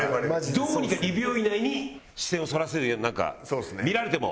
どうにか２秒以内に視線をそらせるようになんか見られても。